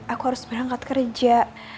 aku harus berangkat kerja